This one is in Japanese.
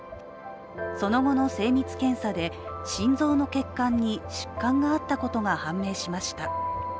その後の精密検査で心臓の血管に疾患があったことが判明しました。